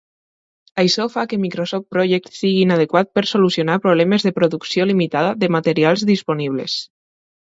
Això fa que Microsoft Project sigui inadequat per solucionar problemes de producció limitada de materials disponibles.